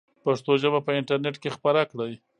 پښتو ژبه په انټرنیټ کې خپره کړئ.